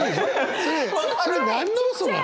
それは何の嘘なの？